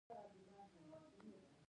حاکمیت په عمومي ډول په دوه ډوله دی.